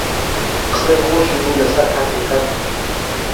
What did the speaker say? قسەی خۆشی بوو لەسەر حەقیقەت